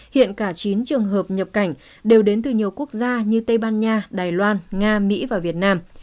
hiện cả chín trường hợp nhập cảnh đều đến từ nhiều quốc gia như tây ban nha đài loan nga mỹ và việt nam